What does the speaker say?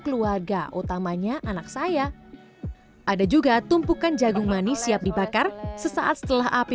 keluarga utamanya anak saya ada juga tumpukan jagung manis siap dibakar sesaat setelah api